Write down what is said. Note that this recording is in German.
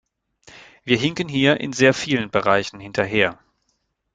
Wir hinken hier in sehr vielen Bereichen hinterher.